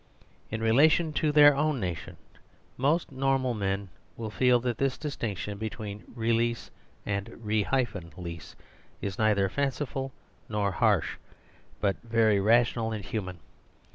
In relation to their own nation most normal men will feel that this distinction between release and "re lease" is neither fanciful nor harsh, but very rational and human.